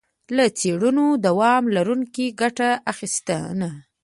له څړونو دوام لرونکي ګټه اخیستنه.